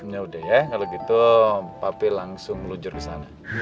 yaudah ya kalau gitu papi langsung luncur ke sana